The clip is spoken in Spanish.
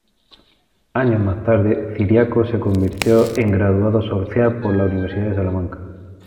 Años más tarde, Ciriaco se convirtió en Graduado Social por la Universidad de Salamanca.